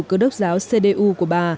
cơ đốc giáo cdu của bà